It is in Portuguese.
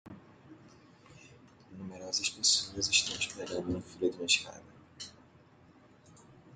Numerosas pessoas estão esperando na fila de uma escada.